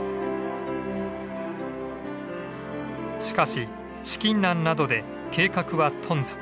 しかし資金難などで計画は頓挫。